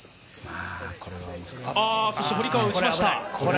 そして堀川が打ちました。